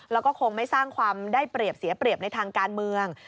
แล้วก็คงไม่สร้างความได้เปรียบเสียเปรียบในทางการเมือง